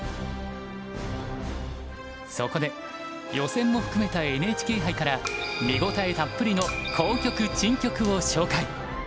そこで予選も含めたＮＨＫ杯から見応えたっぷりの好局珍局を紹介。